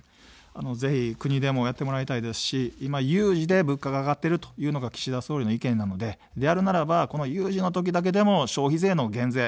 ぜひ国でもやってもらいたいですし、今、有事で物価が上がっているというのが岸田総理の意見なので、であるならば有事の時だけでも消費税の減税。